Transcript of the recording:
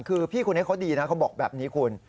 คือพี่คนนี้เขาดีนะเขาบอกแบบนี้คุณ